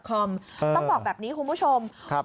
ต้องบอกแบบนี้คุณผู้ชม